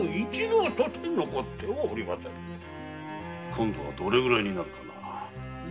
今度はどれくらいになるかな。